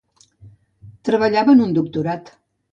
Treballava en un doctorat